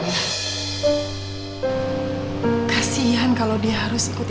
maksudnya kalau ada benda anyone umur